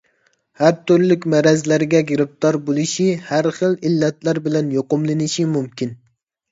ھەر تۈرلۈك مەرەزلىكلەرگە گىرىپتار بولۇشى، ھەرخىل ئىللەتلەر بىلەن يۇقۇملىنىشى مۇمكىن.